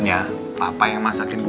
itu bukan big drill